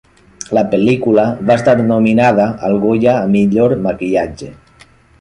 La pel·lícula va estar nominada al Goya a millor maquillatge.